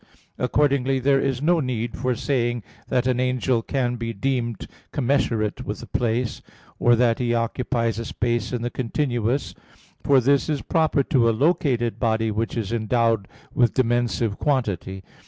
Accordingly there is no need for saying that an angel can be deemed commensurate with a place, or that he occupies a space in the continuous; for this is proper to a located body which is endowed with dimensive quantity.